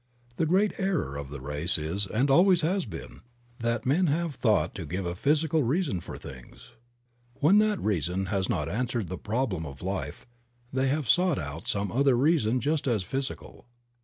The great error of the race is, and always has been, that men have thought to give a physical reason for things. When that reason has not answered the problems of life they have sought out some other reason just as physical.